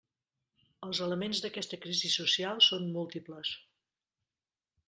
Els elements d'aquesta crisi social són múltiples.